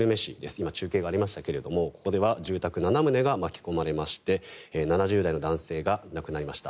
今、中継がありましたがここでは住宅７棟が巻き込まれまして７０代の男性が亡くなりました。